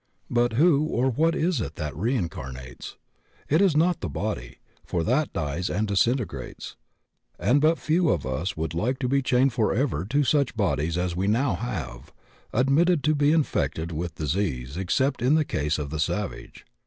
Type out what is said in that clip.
But who or what is it that reincarnates? It is not f WHO AND WHAT REINCARNATES 65 the body, for that dies and disintegrates; and but few of us would like to be chained forever to such bodies as we now have, admitted to be infected with dis ease except in the case of the savage.